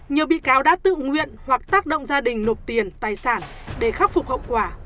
nhiều bị cáo đã tự nguyện hoặc tác động gia đình nộp tiền tài sản để khắc phục hậu quả